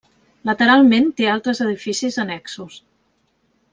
Lateralment té altres edificis annexos.